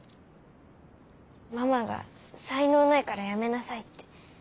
ママが「才能ないからやめなさい」って。